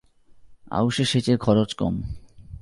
আউশে সেচের খরচ কম।